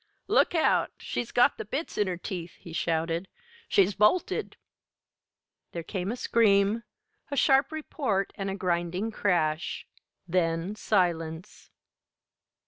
"Look out she's got the bits in her teeth!" he shouted. "She's bolted!" There came a scream, a sharp report, and a grinding crash then silence.